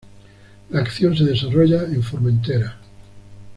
La acción se desarrolla en Formentera.